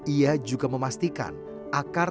ia juga memastikan akar